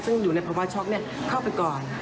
ซึ่งอยู่ในภาวะช็อกเนี่ย